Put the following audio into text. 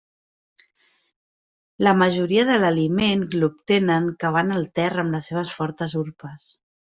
La majoria de l'aliment l'obtenen cavant el terra amb les seves fortes urpes.